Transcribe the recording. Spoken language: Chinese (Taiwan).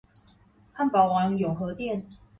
漢堡王永和店